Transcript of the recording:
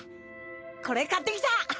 これ買ってきた。